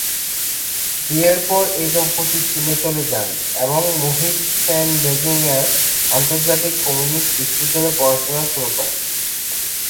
বিয়ের পরে এই দম্পতি চীন চলে যান এবং মোহিত সেন বেজিং-য়ের আন্তর্জাতিক কমিউনিস্ট বিশ্ববিদ্যালয়ে পড়াশোনা শুরু করেন।